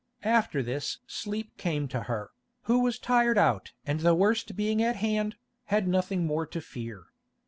After this sleep came to her, who was tired out and the worst being at hand, had nothing more to fear.